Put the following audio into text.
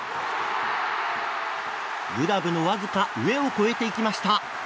グラブのわずか上を越えていきました。